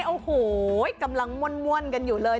โอ้โหกำลังม่วนกันอยู่เลย